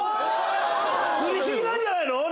振り過ぎなんじゃないの？